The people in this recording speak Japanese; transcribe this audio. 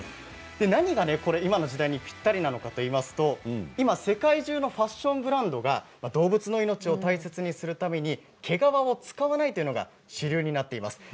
何が今の時代にぴったりなのかといいますと世界中のファッションブランドが今、動物の命を大切にするために毛皮を使わないというのが主流になっています。